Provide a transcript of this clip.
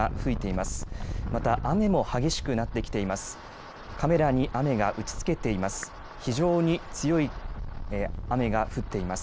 また雨も激しくなってきています。